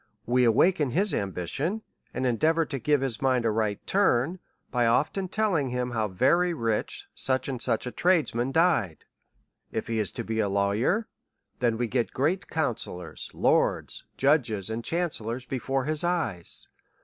We awaken his ambition, and endeavour to give his mind a right turn, by often telling him how very rich such and such a tradesman died. DEVOUT AND HOLY LIFE. 235 If he 19 to be a lawyer, then we set great counsel lors, lords, judges, chancellors, before his eyes.